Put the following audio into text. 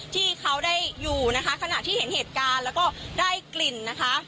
ที่เขาได้อยู่นะคะขณะที่เห็นเหตุการณ์แล้วก็ได้กลิ่นนะคะ